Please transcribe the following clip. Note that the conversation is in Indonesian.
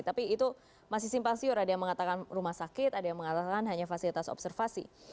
tapi itu masih simpang siur ada yang mengatakan rumah sakit ada yang mengatakan hanya fasilitas observasi